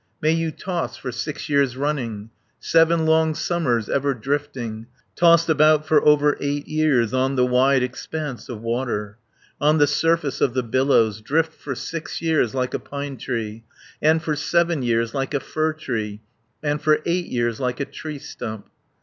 "May you toss for six years running, Seven long summers ever drifting, Tossed about for over eight years, On the wide expanse of water, On the surface of the billows, Drift for six years like a pine tree, And for seven years like a fir tree, And for eight years like a tree stump!"